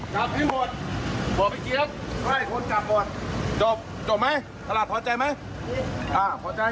คนเนี่ยเอาประหลัดประหลัดในงานพูดว่าเลยผู้กองเบิร์ดให้